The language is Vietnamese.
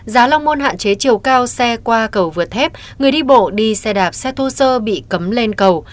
giá long môn hạn chế chiều cao xe qua cầu vượt thép người đi bộ đi xe đạp xe thô sơ bị cấm lên cầu